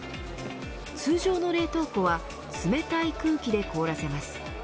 通常の冷凍庫は冷たい空気で凍らせます。